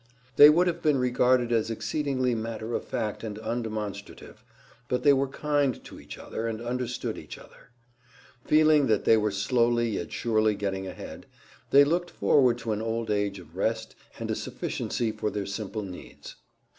They would have been regarded as exceedingly matter of fact and undemonstrative, but they were kind to each other and understood each other. Feeling that they were slowly yet surely getting ahead, they looked forward to an old age of rest and a sufficiency for their simple needs.